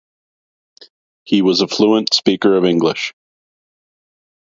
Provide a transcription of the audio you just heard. He was a fluent speaker of English.